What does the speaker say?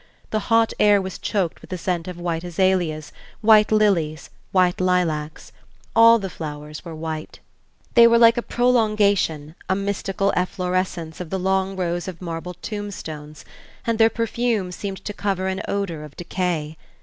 The hot air was choked with the scent of white azaleas, white lilies, white lilacs; all the flowers were white; they were like a prolongation, a mystical efflorescence, of the long rows of marble tombstones, and their perfume seemed to cover an odor of decay.